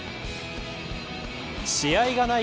試合がない